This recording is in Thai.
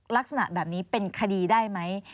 ลักษณะแบบนี้เป็นคดีได้ไหม